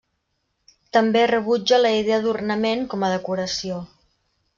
També rebutja la idea d'ornament com a decoració.